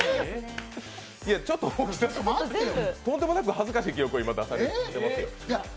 ちょっと大木さん、とんでもなく恥ずかしい記録を出されていますよ。